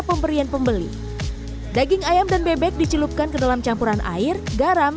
pemberian pembeli daging ayam dan bebek dicelupkan ke dalam campuran air garam